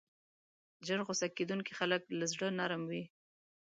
ژر غصه کېدونکي خلک له زړه نرم وي.